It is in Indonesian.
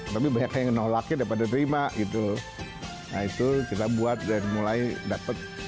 tapi banyak yang nolaknya daripada terima gitu nah itu kita buat dari mulai dapat